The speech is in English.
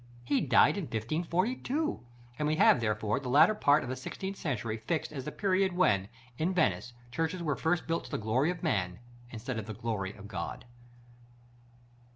He died in 1542; and we have, therefore, the latter part of the sixteenth century fixed as the period when, in Venice, churches were first built to the glory of man, instead of the glory of God.